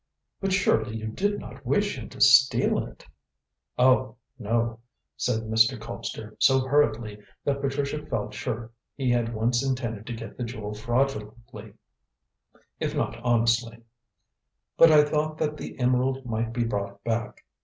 "But surely you did not wish him to steal it?" "Oh, no," said Mr. Colpster, so hurriedly that Patricia felt sure he had once intended to get the jewel fraudulently, if not honestly; "but I thought that the emerald might be brought back.